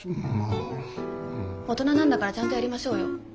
大人なんだからちゃんとやりましょうよ。